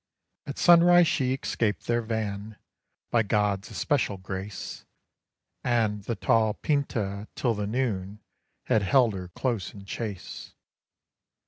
At sunrise she escaped their van, by God's especial grace; And the tall Pinta, till the noon, had held her close in chase.